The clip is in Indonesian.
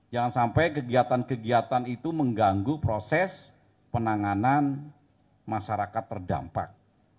jangan sampai kegiatan kegiatan itu mengganggu proses penanganan masyarakat terdampak